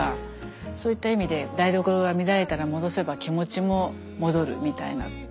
そういった意味で台所が乱れたから戻せば気持ちも戻るみたいな。